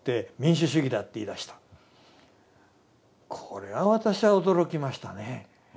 これは私は驚きましたね。